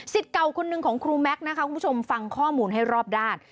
เก่าคนหนึ่งของครูแม็กซ์นะคะคุณผู้ชมฟังข้อมูลให้รอบด้าน